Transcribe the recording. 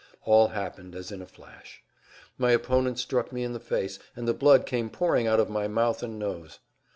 All happened as in a flash. My opponent struck me in the face, and the blood came pouring out of my mouth and nose.